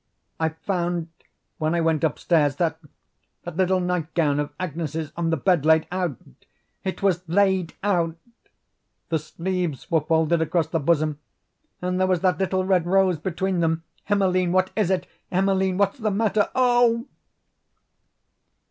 "I found when I went upstairs that little nightgown of Agnes's on the bed, laid out. It was LAID OUT. The sleeves were folded across the bosom, and there was that little red rose between them. Emeline, what is it? Emeline, what's the matter? Oh!"